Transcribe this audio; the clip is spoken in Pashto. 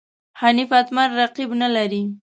حنیف اتمر رقیب نه لري.